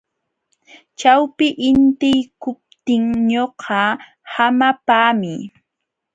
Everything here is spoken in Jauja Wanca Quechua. Ćhawpi intiykuptin ñuqa hamapaami.